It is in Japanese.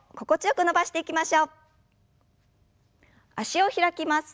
脚を開きます。